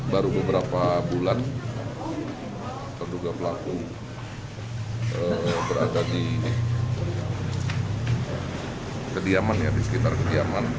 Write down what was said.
baru beberapa bulan terduga pelaku berada di kediamannya di sekitar kediaman